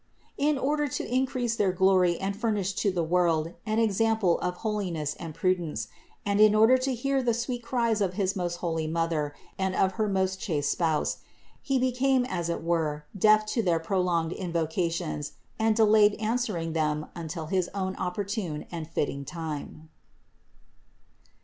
In order to increase their glory and furnish to the world an ex ample of holiness and prudence, and in order to hear the sweet cries of his most holy Mother and of her most chaste spouse, He became as it were deaf to their pro longed invocations and delayed answering them until his own opportune and fitting time.